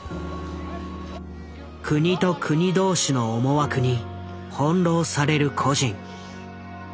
国と国同士の思惑に翻弄される個人。